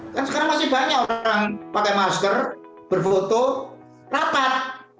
kan sekarang masih banyak orang pakai masker berfoto rapat